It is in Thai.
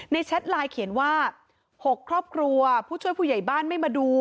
แชทไลน์เขียนว่า๖ครอบครัวผู้ช่วยผู้ใหญ่บ้านไม่มาดู